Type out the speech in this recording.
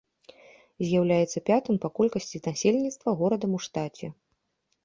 З'яўляецца пятым па колькасці насельніцтва горадам у штаце.